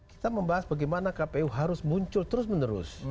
kita membahas bagaimana kpu harus muncul terus menerus